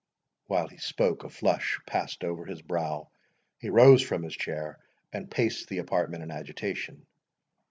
While he spoke, a flush passed over his brow, he rose from his chair, and paced the apartment in agitation.